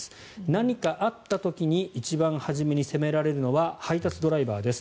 何かあった時に一番初めに責められるのは配達ドライバーです。